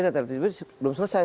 tata tertibnya belum selesai